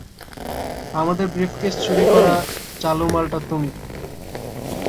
আমাদের ব্রিফকেস চুরি করা চালু মালটা তুমি।